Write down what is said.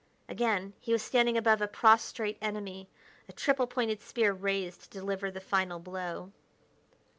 Again, he was standing above a prostrate enemy, a triple pointed spear raised to deliver the final blow.